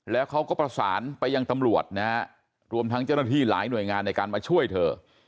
แล้วเขาก็ประสานไปยังตำรวจนะฮะรวมทั้งเจ้าหน้าที่หลายหน่วยงานในการมาช่วยเธอ